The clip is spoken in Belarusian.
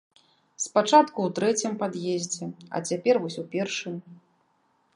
Спачатку ў трэцім пад'ездзе, а цяпер вось у першым.